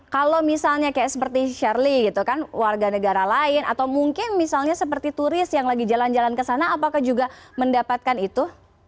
kalau misalnya kayak seperti shirley gitu kan warga negara lain atau mungkin misalnya seperti turis yang lagi jalan jalan ke sana apakah juga mendapatkan itu